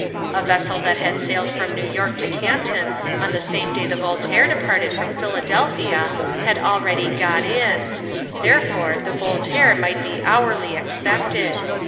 A vessel that had sailed from New York to Canton on the same day the Voltaire departed from Philadelphia had already got in; therefore, the Voltaire might be hourly expected.